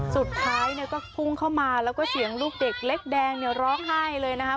สุดท้ายเนี่ยก็พุ่งเข้ามาแล้วก็เสียงลูกเด็กเล็กแดงเนี่ยร้องไห้เลยนะคะ